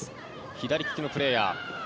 左利きのプレーヤー。